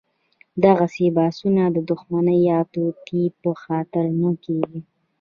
دغسې بحثونه د دښمنۍ یا توطیې په خاطر نه کېږي.